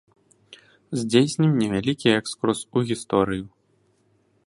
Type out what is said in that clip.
Здзейснім невялікі экскурс у гісторыю.